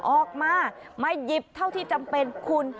ออกมามาหยิบเท่าที่จำเป็นคุณ